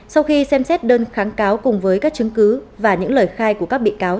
sau khi xem xét đơn kháng cáo cùng với các chứng cứ và những lời khai của các bị cáo